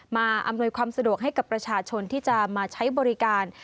อำนวยความสะดวกให้กับประชาชนที่จะมาใช้บริการ